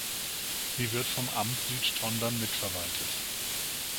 Sie wird vom Amt Südtondern mitverwaltet.